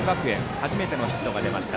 初めてのヒットが出ました。